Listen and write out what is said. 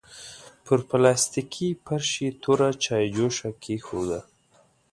پر پلاستيکي فرش يې توره چايجوشه کېښوده.